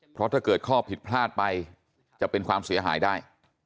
เพราะถ้าเกิดข้อผิดพลาดไปจะเป็นความเสียหายได้